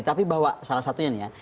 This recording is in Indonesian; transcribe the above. tapi bahwa salah satunya nih ya